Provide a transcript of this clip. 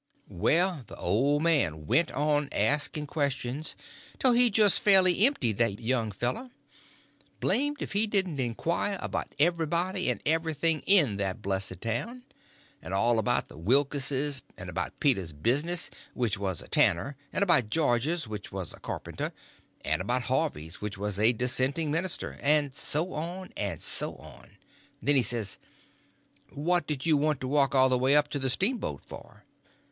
Well, the old man went on asking questions till he just fairly emptied that young fellow. Blamed if he didn't inquire about everybody and everything in that blessed town, and all about the Wilkses; and about Peter's business—which was a tanner; and about George's—which was a carpenter; and about Harvey's—which was a dissentering minister; and so on, and so on. Then he says: "What did you want to walk all the way up to the steamboat for?"